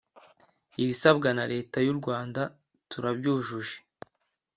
ibisabwa na leta y urwanda turabyujuje